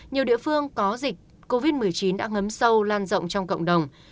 nhiều địa phương có dịch covid một mươi chín đã ngấm sâu lan rộng trong cộng đồng